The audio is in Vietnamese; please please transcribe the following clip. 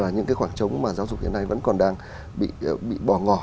và những cái khoảng trống mà giáo dục hiện nay vẫn còn đang bị bỏ ngỏ